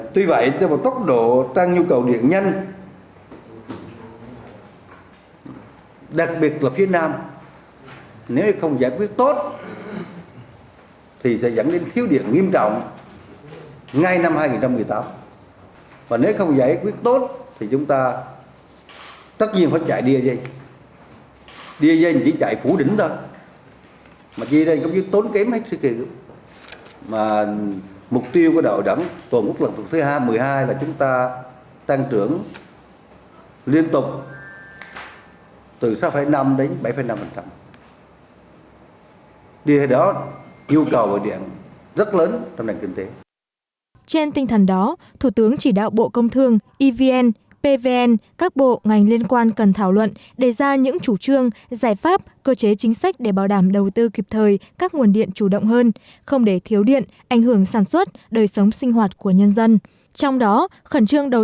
tuy nhiên thủ tướng nêu rõ trước nhu cầu cung ứng điện tăng nhanh nhất là ở phía nam nếu không giải quyết tốt vấn đề bảo đảm đầu tư thêm nguồn điện thì sẽ dẫn đến tình trạng thiếu điện nghiêm trọng ngay trong năm hai nghìn một mươi tám